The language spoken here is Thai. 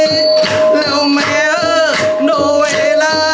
คุณผู้ชมอยู่กับดิฉันใบตองราชนุกูลที่จังหวัดสงคลาค่ะ